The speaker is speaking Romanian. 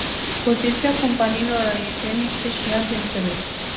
Poziția companiilor aeriene este și ea de înțeles.